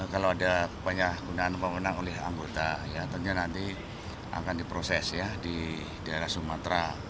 kalau ada penyalahgunaan pemenang oleh anggota ya tentunya nanti akan diproses ya di daerah sumatera